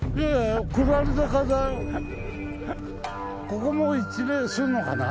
ここも一礼すんのかな？